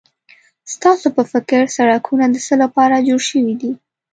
ستاسو په فکر سړکونه د څه لپاره جوړ شوي دي؟